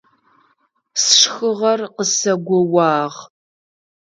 Сшхыгъэр къысэгоуагъ.